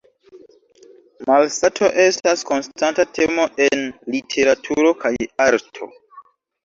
Malsato estas konstanta temo en literaturo kaj arto.